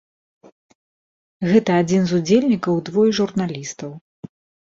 Гэта адзін з удзельнікаў і двое журналістаў.